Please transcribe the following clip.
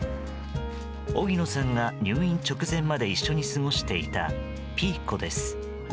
荻野さんが入院直前まで一緒に過ごしていたピーコです。